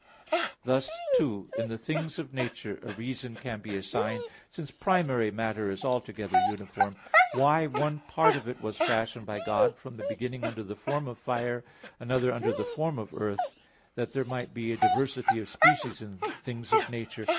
Thus too, in the things of nature, a reason can be assigned, since primary matter is altogether uniform, why one part of it was fashioned by God from the beginning under the form of fire, another under the form of earth, that there might be a diversity of species in things of nature.